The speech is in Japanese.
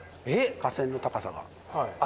架線の高さが。